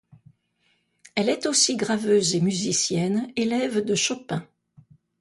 Elle est aussi graveuse et musicienne, élève de Chopin.